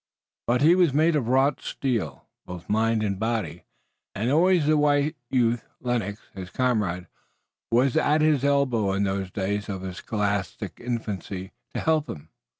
But he was made of wrought steel, both mind and body, and always the white youth, Lennox, his comrade, was at his elbow in those days of his scholastic infancy to help him.